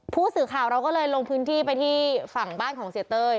ผู้สื่อข่าวเราก็เลยลงพื้นที่ไปที่ฝั่งบ้านของเสียเต้ย